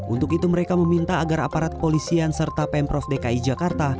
untuk itu mereka meminta agar aparat polisian serta pemprov dki jakarta